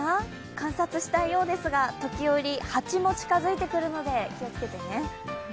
観察したいようですが時折、蜂も近づいてくるので、気をつけてね。